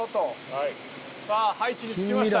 さあ配置に着きました。